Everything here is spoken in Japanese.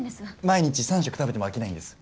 毎日３食食べても飽きないんです。